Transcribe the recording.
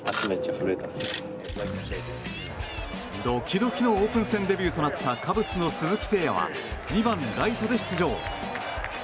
ドキドキのオープン戦デビューとなったカブスの鈴木誠也は２番ライトで出場。